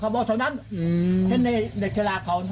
เขาบอกเท่านั้นแค่ในเหล็กธราบเขาน่ะ